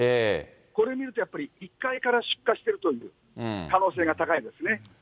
これ見るとやっぱり、１階から出火しているという可能性が高いですね。